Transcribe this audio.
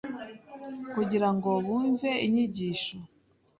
kugira ngo bumve inyigisho